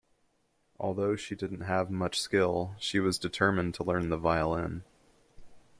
Although she didn't have much skill, she was determined to learn the violin.